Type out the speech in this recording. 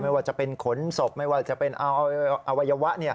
ไม่ว่าจะเป็นขนศพไม่ว่าจะเป็นเอาอวัยวะ